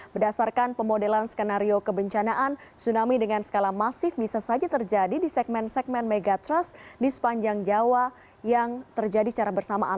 berdasarkan pemodelan skenario kebencanaan tsunami dengan skala masif bisa saja terjadi di segmen segmen megatrust di sepanjang jawa yang terjadi secara bersamaan